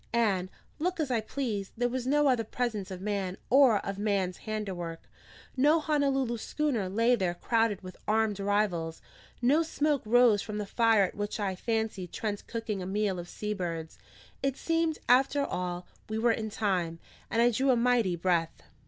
And, look as I pleased, there was no other presence of man or of man's handiwork; no Honolulu schooner lay there crowded with armed rivals, no smoke rose from the fire at which I fancied Trent cooking a meal of sea birds. It seemed, after all, we were in time, and I drew a mighty breath.